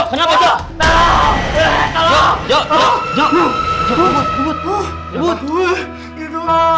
kududuk nenek nenek yang ngelakuin saya nah